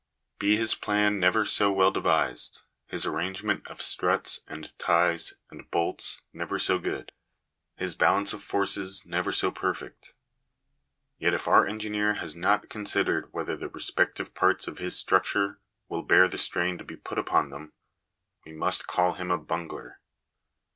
Be his plan never so well de vised — his arrangement of struts, and ties, and bolts, never so good — his balance of forces never so perfect — yet if our engineer has not considered whether the respective parts of his structure will bear the strain to be put upon them, we must call him a bungler.